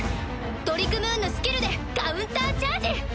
トリクムーンのスキルでカウンターチャージ！